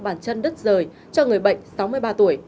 bản chân đất rời cho người bệnh sáu mươi ba tuổi